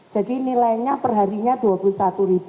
jadi nilainya perharinya rp dua puluh satu